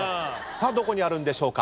さあどこにあるんでしょうか。